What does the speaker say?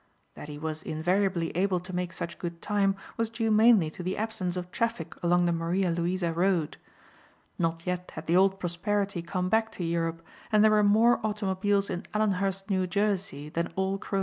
That he was invariably able to make such good time was due mainly to the absence of traffic along the Maria Louisa road. Not yet had the old prosperity come back to Europe and there were more automobiles in Allenhurst, New Jersey, than all Croatia.